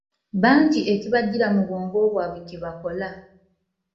Bangi ekibajjira mu bwongo bwabwe kyebakola.